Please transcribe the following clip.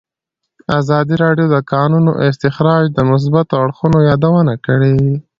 ازادي راډیو د د کانونو استخراج د مثبتو اړخونو یادونه کړې.